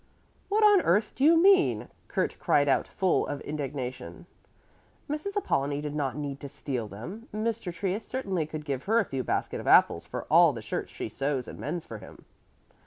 "What on earth do you mean?" Kurt cried out full of indignation. "Mrs. Apollonie did not need to steal them. Mr. Trius certainly could give her a few baskets of apples for all the shirts she sews and mends for him."